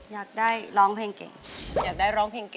อยากได้ร้องเพลงเก่ง